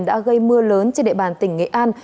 đã gây mưa lớn trên địa bàn tỉnh nghệ an